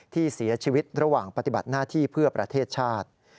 ที่เสียชีวิตระหว่างปฏิบัติหน้าที่เพื่อประเทศชาติ